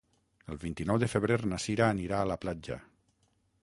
El vint-i-nou de febrer na Sira anirà a la platja.